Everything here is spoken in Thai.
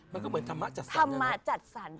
มันก็เหมือนธรรมะจัดสรรค่ะ